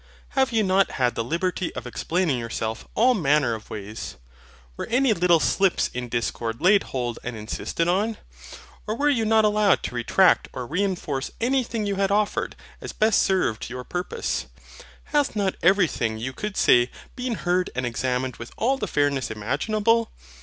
Have you not had the liberty of explaining yourself all manner of ways? Were any little slips in discourse laid hold and insisted on? Or were you not allowed to retract or reinforce anything you had offered, as best served your purpose? Hath not everything you could say been heard and examined with all the fairness imaginable?